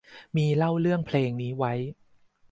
มีเล่าเรื่องเพลงนี้ไว้